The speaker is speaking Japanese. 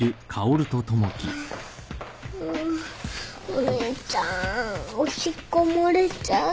お姉ちゃんおしっこ漏れちゃう。